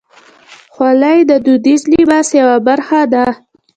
خولۍ د دودیز لباس یوه برخه ده.